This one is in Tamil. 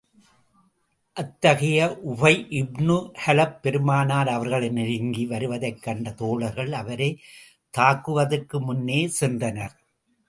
அத்தகைய உபை இப்னு கலப், பெருமானார் அவர்களை நெருங்கி வருவதைக் கண்ட தோழர்கள் அவரைத் தாக்குவதற்கு முன்னே சென்றனர்.